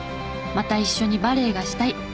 また一緒にバレーがしたい。